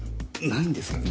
ないんですか？